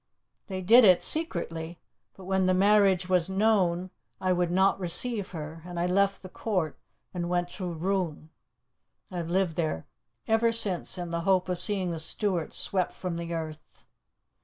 They did it secretly, but when the marriage was known, I would not receive her, and I left the court and went to Rouen. I have lived ever since in the hope of seeing the Stuarts swept from the earth.